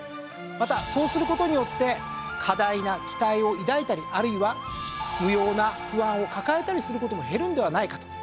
またそうする事によって過大な期待を抱いたりあるいは不要な不安を抱えたりする事も減るんではないかと。